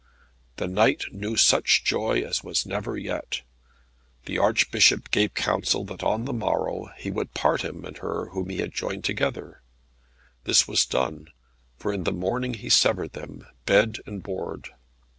The knight knew such joy as was never yet. The Archbishop gave counsel that on the morrow he would part him and her whom he had joined together. This was done, for in the morning he severed them, bed and board.